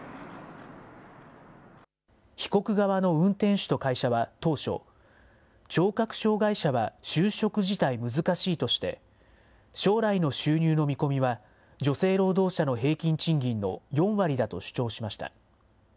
被告側の運転手と会社は当初、聴覚障害者は就職自体難しいとして、将来の収入の見込みは、女性労働者の平均賃金の４割だと主張しました。